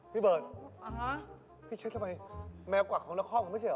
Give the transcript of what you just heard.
พี่เบิร์ดพี่เชฟทั้งหมดแมวกว่าของละครอบคุณไม่ใช่เหรอ